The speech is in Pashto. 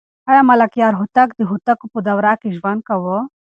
آیا ملکیار هوتک د هوتکو په دوره کې ژوند کاوه؟